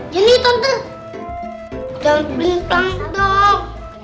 jadi tante jangan pelin pelan dong